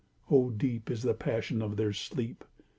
—O, deep! Is the passion of their sleep.